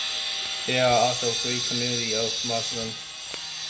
There are also three communities of Muslims.